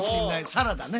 サラダね。